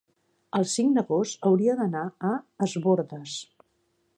el cinc d'agost hauria d'anar a Es Bòrdes.